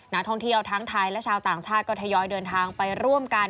นักท่องเที่ยวทั้งไทยและชาวต่างชาติก็ทยอยเดินทางไปร่วมกัน